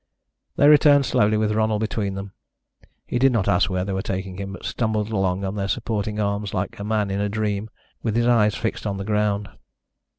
They returned slowly with Ronald between them. He did not ask where they were taking him, but stumbled along on their supporting arms like a man in a dream, with his eyes fixed on the ground.